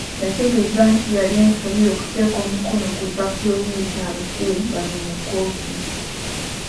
Yategeeza nti yali ensobi okuteeka omukono ku lupapula oluyita abasibe bano mu kkooti.